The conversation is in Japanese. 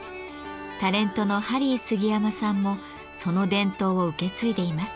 タレントのハリー杉山さんもその伝統を受け継いでいます。